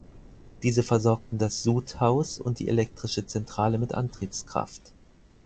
Diese versorgten das Sudhaus und die elektrische Zentrale mit Antriebskraft.